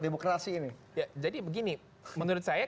demokrasi ini jadi begini menurut saya